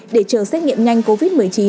để chờ xét nghiệm nhanh covid một mươi chín